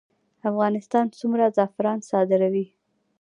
افغانستان څومره زعفران صادروي؟